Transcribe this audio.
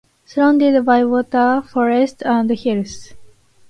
Surrounded by water, forest, and hills.